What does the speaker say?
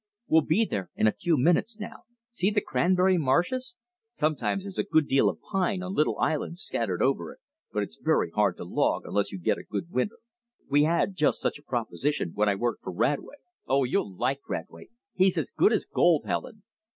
We'll be there in a few minutes now. See the cranberry marshes. Sometimes there's a good deal of pine on little islands scattered over it, but it's very hard to log, unless you get a good winter. We had just such a proposition when I worked for Radway. Oh, you'll like Radway, he's as good as gold. Helen!"